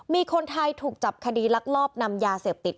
มีคนไทยถูกจับคดีลักลอบนำยาเสพติด